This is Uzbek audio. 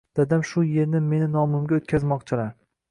Dadam shu yerni meni nomimga oʼtkazmoqchilar.